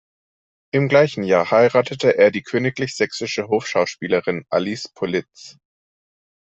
Im gleichen Jahr heiratete er die königlich sächsische Hofschauspielerin Alice Politz.